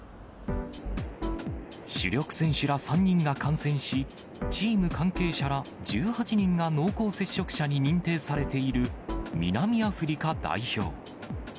主力選手ら３人が感染し、チーム関係者ら１８人が濃厚接触者に認定されている南アフリカ代表。